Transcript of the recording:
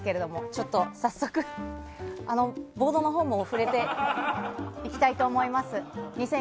ちょっと早速、ボードのほうも触れていきたいと思います。